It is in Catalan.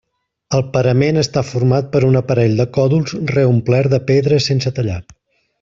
El parament està format per un aparell de còdols reomplert de pedres sense tallar.